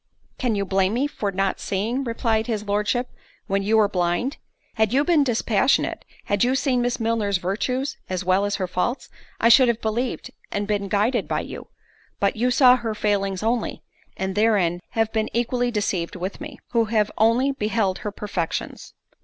"Can you blame me for not seeing," replied his Lordship, "when you were blind? Had you been dispassionate, had you seen Miss Milner's virtues as well as her faults, I should have believed, and been guided by you—but you saw her failings only, and therein have been equally deceived with me, who have only beheld her perfections."